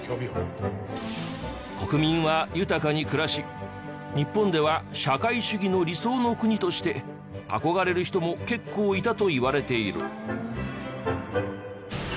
国民は豊かに暮らし日本では社会主義の理想の国として憧れる人も結構いたといわれている。